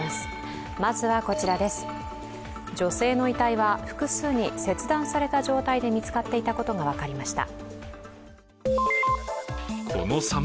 女性の遺体は複数に切断された状態で見つかっていたことが分かりました。